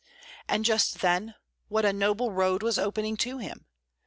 And just then, what a noble road was opening to him!